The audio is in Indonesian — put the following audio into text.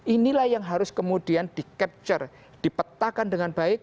inilah yang harus kemudian di capture dipetakan dengan baik